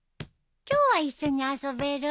今日は一緒に遊べる？